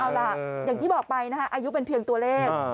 เอาล่ะอย่างที่บอกไปนะคะอายุเป็นเพียงตัวเลข